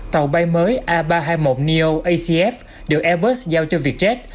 tàu bay mới a ba trăm hai mươi một neo acf được airbus giao cho vietjet